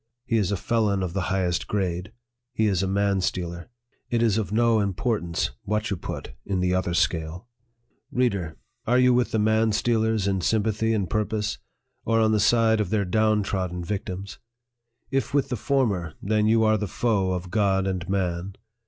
He is a felon of the highest grade. He is a man stealer. It is of no importance what you put in the other scale." Reader ! are you with the man stealers in sympathy and purpose, or on the side of their down trodden vic tims ? If with the former, then are you the foe of God and man.